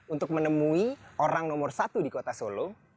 untuk menemui orang nomor satu di kota solo